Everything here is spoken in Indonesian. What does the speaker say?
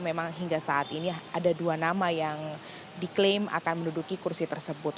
memang hingga saat ini ada dua nama yang diklaim akan menduduki kursi tersebut